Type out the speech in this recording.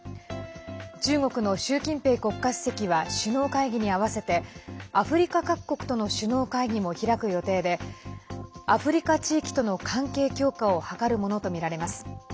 中国の習近平国家主席は首脳会議に合わせてアフリカ各国との首脳会議も開く予定でアフリカ地域との関係強化を図るものとみられます。